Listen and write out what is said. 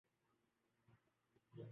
مجھے اپنی تقدیر پر بھروسہ ہے